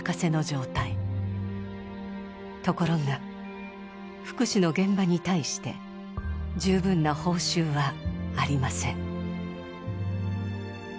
ところが福祉の現場に対して十分な報酬はありません。